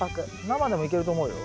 生でもいけると思うよ。